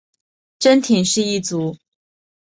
真田氏一族。